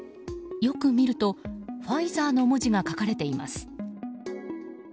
よく見るとファイザーの文字が書かれています。